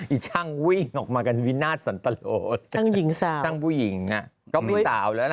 อีช่างวิ่งออกมากันวินาทสันตะโลช่างหญิงสาวช่างผู้หญิงอ่ะก็ไม่มีสาวแล้วนะ